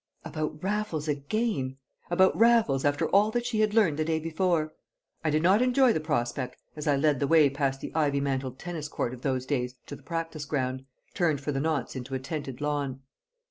About Raffles again! About Raffles, after all that she had learnt the day before! I did not enjoy the prospect as I led the way past the ivy mantled tennis court of those days to the practice ground, turned for the nonce into a tented lawn.